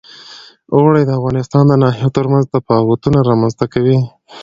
اوړي د افغانستان د ناحیو ترمنځ تفاوتونه رامنځ ته کوي.